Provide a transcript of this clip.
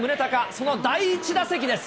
その第１打席です。